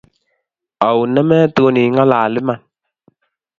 ou nemutun ing'alal iman